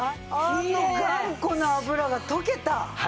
あの頑固な油が溶けた！